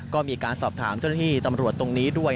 ก็มีการสอบถามเจ้าหน้าที่ตำรวจตรงนี้ด้วย